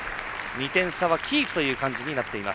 ２点差はキープという感じになっています。